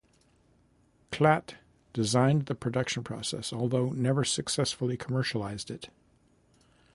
Klatte designed the production process, although never successfully commercialised it.